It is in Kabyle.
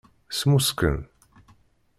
Smusken.